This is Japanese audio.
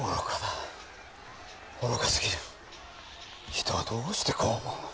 人はどうしてこうも。